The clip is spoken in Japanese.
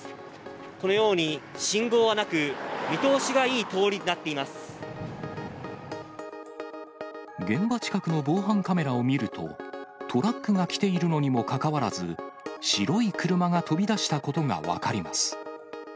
このように信号はなく、現場近くの防犯カメラを見ると、トラックが来ているのにもかかわらず、白い車が飛び出したことが分かります。